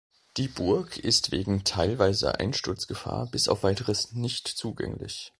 Die Burg ist wegen teilweiser Einsturzgefahr bis auf weiteres nicht zugänglich.